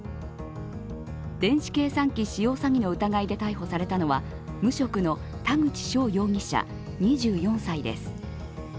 電子計算機使用詐欺の疑いで逮捕されたのは無職の田口翔容疑者、２４歳です。